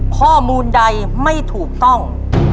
ข้อมูลใดไม่ถูกต้อง